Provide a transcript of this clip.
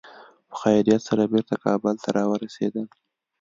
په خیریت سره بېرته کابل ته را ورسېدل.